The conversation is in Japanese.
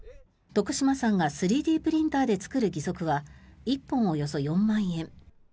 徳島さんが３Ｄプリンターで作る義足は１本およそ４万円。